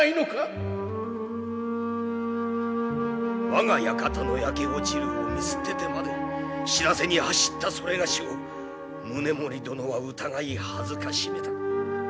我が館の焼け落ちるを見捨ててまで知らせに走ったそれがしを宗盛殿は疑い辱めた。